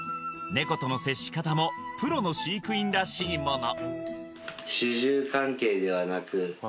ネコとの接し方もプロの飼育員らしいもの